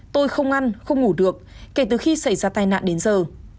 tôi không ăn không ngủ được kể từ khi xảy ra tai nạn đến giờ